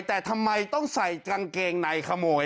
แต่ทำไมต้องใส่กางเกงในขโมย